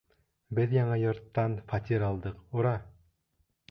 «Беҙ яңы йорттан фатир алдыҡ, ура!»...